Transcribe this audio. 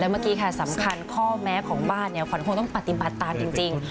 เมื่อกี้ค่ะสำคัญข้อแม้ของบ้านเนี่ยขวัญคงต้องปฏิบัติตามจริง